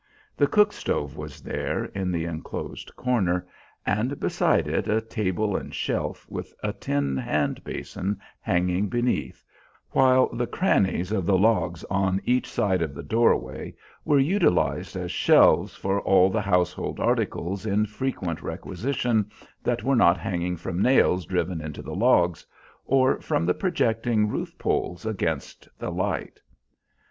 The cook stove was there in the inclosed corner, and beside it a table and shelf with a tin hand basin hanging beneath, while the crannies of the logs on each side of the doorway were utilized as shelves for all the household articles in frequent requisition that were not hanging from nails driven into the logs, or from the projecting roof poles against the light.